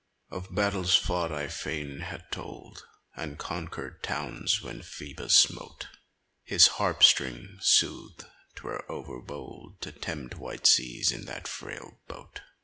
Of battles fought I fain had told, And conquer'd towns, when Phoebus smote His harp string: "Sooth, 'twere over bold To tempt wide seas in that frail boat."